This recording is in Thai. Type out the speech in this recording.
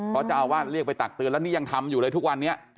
เพราะเจ้าอาวาสเรียกไปตักเตือนแล้วนี่ยังทำอยู่เลยทุกวันนี้